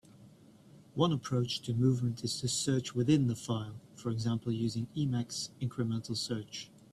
One approach to movement is to search within the file, for example using Emacs incremental search.